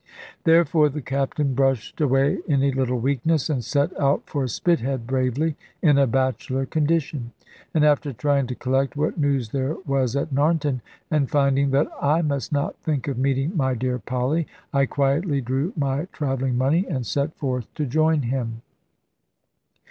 Therefore the Captain brushed away any little weakness, and set out for Spithead bravely, in a bachelor condition. And after trying to collect what news there was at Narnton, and finding that I must not think of meeting my dear Polly, I quietly drew my travelling money, and set forth to join him.